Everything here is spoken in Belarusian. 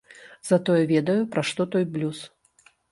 Затое ведаю, пра што той блюз.